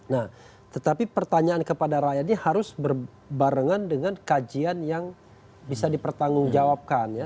nah tetapi pertanyaan kepada rakyat ini harus berbarengan dengan kajian yang bisa dipertanggungjawabkan ya